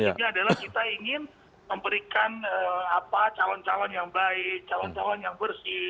yang baik calon calon yang bersih